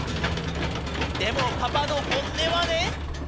「でもパパの本音はね」